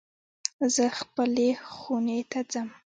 زه خپلی خونی ته ځم